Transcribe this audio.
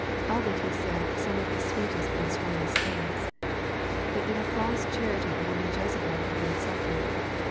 Of it He said some of His sweetest and strongest things. But in a false charity the woman Jezebel had been suffered.